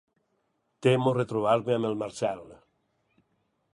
Temo retrobar-me amb el Marcel.